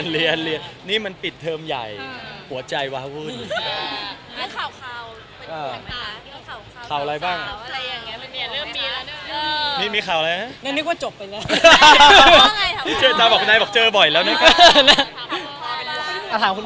เรียนเรียนนี่มันปิดเรื่องที่เดียวใหญ่หัวใจว้าวุ่น